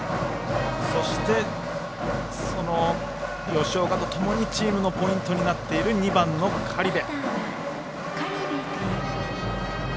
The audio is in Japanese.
そして、その吉岡とともにチームのポイントになっている２番の苅部。